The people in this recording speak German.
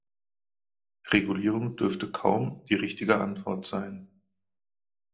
Regulierung dürfte kaum die richtige Antwort sein.